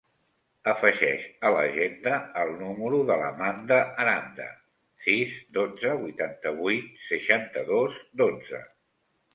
Afegeix a l'agenda el número de l'Amanda Aranda: sis, dotze, vuitanta-vuit, seixanta-dos, dotze.